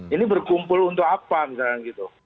ini berkumpul untuk apa misalnya gitu